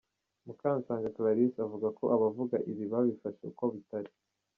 Mukansanga Clarisse avuga ko abavuga ibi babifashe uko bitari.